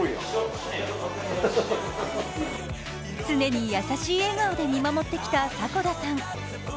常に優しい笑顔で見守ってきた迫田さん。